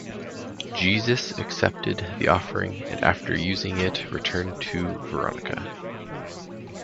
Jesus accepted the offering and after using it returned it to Veronica.